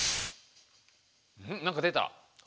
何か出た。